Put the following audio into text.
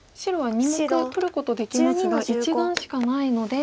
２目取ることできますが１眼しかないので。